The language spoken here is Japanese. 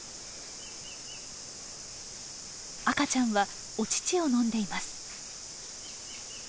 赤ちゃんはお乳を飲んでいます。